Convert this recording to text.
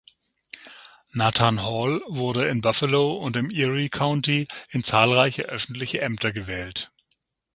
Nathan Hall wurde in Buffalo und im Erie County in zahlreiche öffentliche Ämter gewählt.